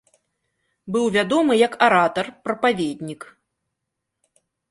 Быў вядомы як аратар, прапаведнік.